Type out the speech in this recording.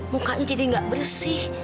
mukanya jadi nggak bersih